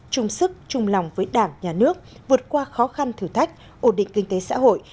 chung sức chung lòng với đảng nhà nước vượt qua khó khăn thử thách ổn định kinh tế xã hội